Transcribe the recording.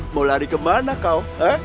mau lari kemana kau